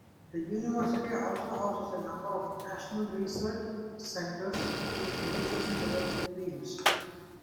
The university also houses a number of national research centres in education-related fields.